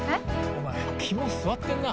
お前肝据わってんな。